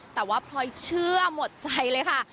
แต่ว่าพลอยเชื่อหมดใจเลยค่ะ